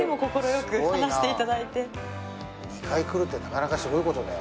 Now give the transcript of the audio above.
２回来るってなかなかすごいことだよ。